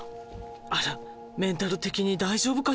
「あらメンタル的に大丈夫かしら？」